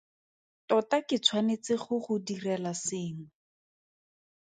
Tota ke tshwanetse go go direla sengwe.